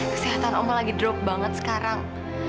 kesehatan oma lagi drop banget sekarang